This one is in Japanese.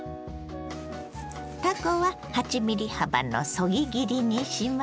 たこは８ｍｍ幅のそぎ切りにします。